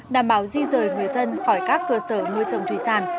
đảm bảo di rời người dân khỏi các cơ sở nuôi trồng thủy sản